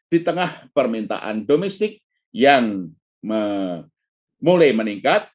di tengah permintaan domestik yang mulai meningkat